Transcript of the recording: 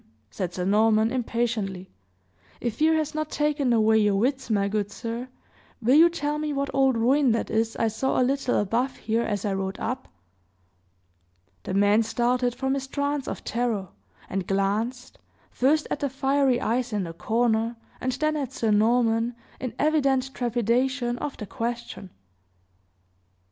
said Sir Norman, impatiently. "If fear has not taken away your wits, my good sir, will you tell me what old ruin that is I saw a little above here as I rode up?" The man started from his trance of terror, and glanced, first at the fiery eyes in the corner, and then at Sir Norman, in evident trepidation of the question.